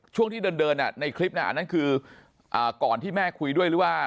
ช่วงที่เดินเดินอ่ะในคลิปน่ะอันนั้นคือก่อนที่แม่คุยด้วยหรือว่า